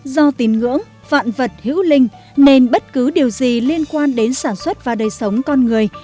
do tín ngưỡng vạn vật hữu linh nên bất cứ điều gì liên quan đến sản xuất và đời sống con người